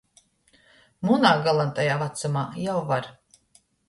Munā galantajā vacumā jau var.